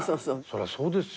そりゃそうですよね。